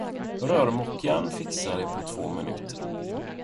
Rörmokaren fixade det på två minuter.